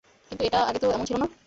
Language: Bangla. কিন্তু এটা আগে তো এমন ছিল না!